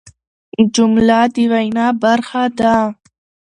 جمله د وینا برخه ده.